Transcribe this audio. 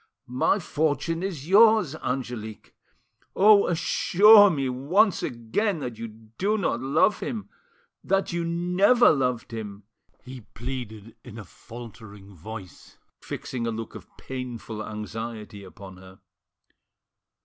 "My fortune is yours, Angelique! Oh! assure me once again that you do not love him—that you never loved him!" he pleaded in a faltering voice, fixing a look of painful anxiety upon her.